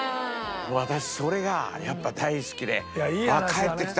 私それがやっぱ大好きで「ああ帰ってきたな」